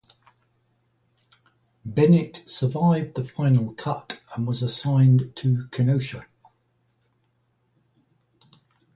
Bennett survived the final cut and was assigned to Kenosha.